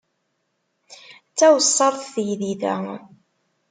D tawessart teydit-a.